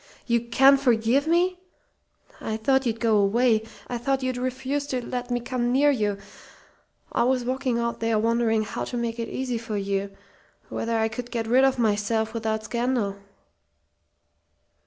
"You can forgive me? I thought you'd go away. I thought you'd refuse to let me come near you. I was walking out there wondering how to make it easy for you whether I could get rid of myself without scandal."